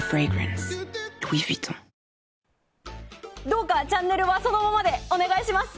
どうかチャンネルはそのままでお願いします。